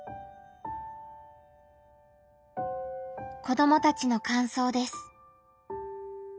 子どもたちの感想です。